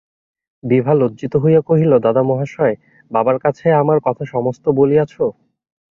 বিভা লজ্জিত হইয়া কহিল, দাদামহাশয়, বাবার কাছে আমার কথা সমস্ত বলিয়াছ?